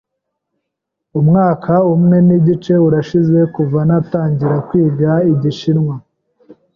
Umwaka umwe nigice urashize kuva natangira kwiga Igishinwa.